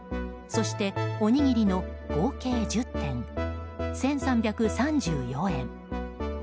そして、おにぎりの合計１０点、１３３４円。